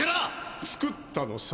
作ったのさ。